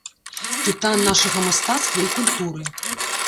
Тытан нашага мастацтва і культуры.